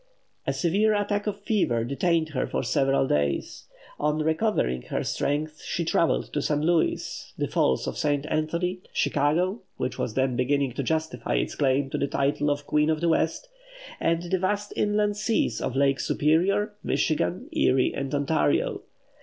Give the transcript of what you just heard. A severe attack of fever detained her for several days. On recovering her strength she travelled to St. Louis, the Falls of St. Anthony, Chicago which was then beginning to justify its claim to the title of "Queen of the West" and the vast inland seas of Lakes Superior, Michigan, Erie, and Ontario.